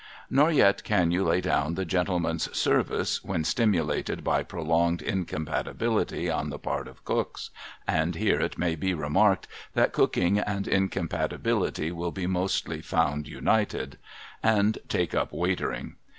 Nor yet can you lay down the gentleman's service when stimulated by prolonged inconipatibihty on the part of Cooks (and here it may be remarked that Cooking and Incompatibility will be mostly found united), and take up Waitering.